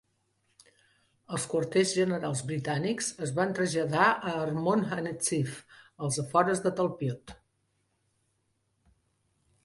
Els quarters generals britànics es van traslladar a Armon HaNetziv, als afores de Talpiot.